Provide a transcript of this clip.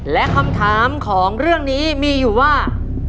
และคำถามของเรื่องนี้มีอยู่ว่า